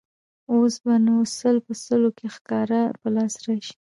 اوس به نو سل په سلو کې سکاره په لاس راشي.